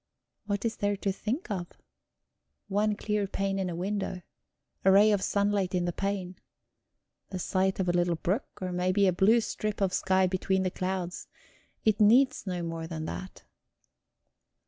What is there to think of? One clear pane in a window, a ray of sunlight in the pane, the sight of a little brook, or maybe a blue strip of sky between the clouds. It needs no more than that.